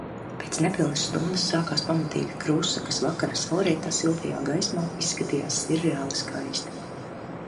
Pēc nepilnas stundas sākās pamatīga krusa, kas vakara saulrieta siltajā gaismā izskatījās sirreāli skaisti.